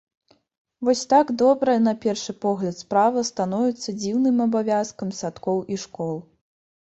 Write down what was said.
Вось так добрая на першы погляд справа становіцца дзіўным абавязкам садкоў і школ.